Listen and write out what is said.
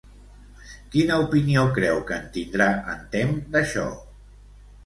Quina opinió creu que en tindrà en Temme d'això?